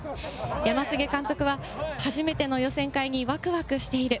山菅監督は、初めての予選会にわくわくしている。